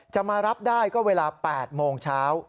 จะมารับได้ก็เวลา๘โมงเช้า